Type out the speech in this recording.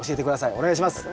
お願いします。